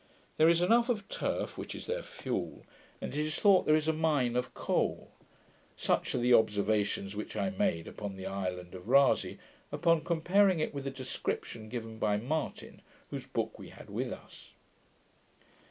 There is enough of turf, which is their fuel, and it is thought there is a mine of coal. Such are the observations which I made upon the island of Rasay, upon comparing it with the description given by Martin, whose book we had with us.